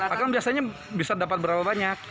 akan biasanya bisa dapat berapa banyak